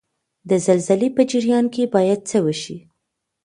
د زلزلې په جریان کې باید څه وشي؟